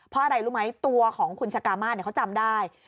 เพราะอะไรรู้ไหมตัวของคุณชะกามาเขาจำได้